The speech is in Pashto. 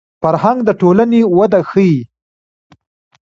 فرهنګ د ټولنې وده ښيي